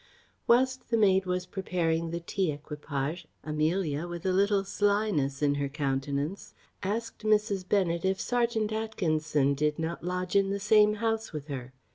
Whilst the maid was preparing the tea equipage, Amelia, with a little slyness in her countenance, asked Mrs. Bennet if serjeant Atkinson did not lodge in the same house with her?